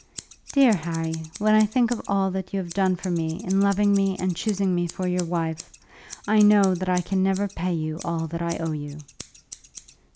"Dear Harry, when I think of all that you have done for me in loving me and choosing me for your wife, I know that I can never pay you all that I owe you."